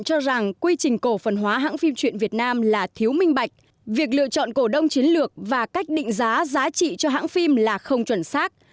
tôi cho rằng quy trình cổ phần hóa hãng phim truyện việt nam là thiếu minh bạch việc lựa chọn cổ đông chiến lược và cách định giá giá trị cho hãng phim là không chuẩn xác